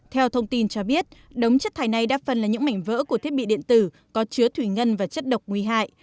theo thông tin cho biết đống chất thải này đa phần là những mảnh vỡ của thiết bị điện tử có chứa thủy ngân và chất độc nguy hại